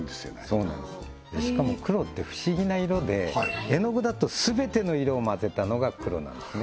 そうなんですしかも黒って不思議な色で絵の具だと全ての色を混ぜたのが黒なんですね